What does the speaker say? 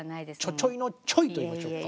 ちょちょいのちょいといいましょうか。